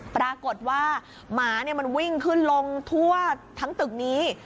ปรากฏว่าหมามันวิ่งขึ้นลงทั่วทั้งตึกนี้